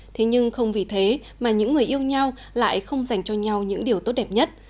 thế nhưng không vì thế mà những người yêu nhau lại không dành cho nhau những điều tốt đẹp nhất